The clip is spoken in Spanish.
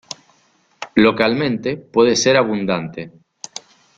Localmente puede ser abundante.